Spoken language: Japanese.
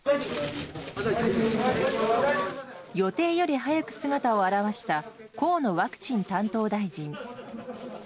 予定より早く姿を現した河野ワクチン担当大臣。